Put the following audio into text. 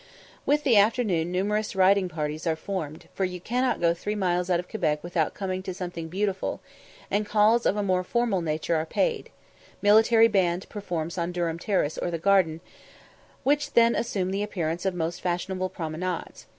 With the afternoon numerous riding parties are formed, for you cannot go three miles out of Quebec without coming to something beautiful; and calls of a more formal nature are paid; a military band performs on Durham Terrace or the Garden, which then assume the appearance of most fashionable promenades.